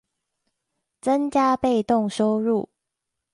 增加被動收入